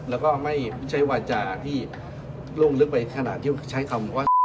แล้วก็ไม่ใช้วาจาที่ล่วงลึกไปขนาดที่ใช้คำว่า